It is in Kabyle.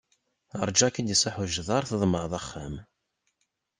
Ṛǧu ar k-id-iṣaḥ ujdaṛ, tḍemɛeḍ axxam!